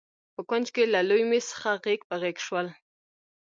په کونج کې له لوی مېز څخه غېږ په غېږ شول.